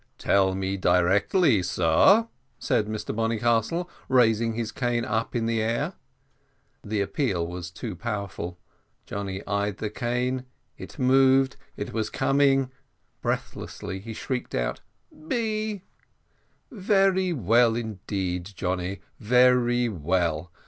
"Tell me directly, sir," said Mr Bonnycastle, raising his cane up in the air. The appeal was too powerful. Johnny eyed the cane; it moved, it was coming. Breathlessly he shrieked out, "B!" "Very well indeed, Johnny very well.